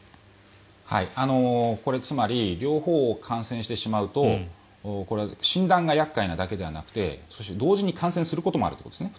これ、つまり両方に感染してしまうと診断が厄介なだけではなくてそして、同時に感染することもあるということですね